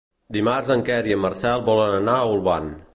Dimarts en Quer i en Marcel volen anar a Olvan.